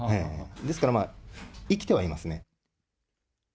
ですから、生きてはいますね。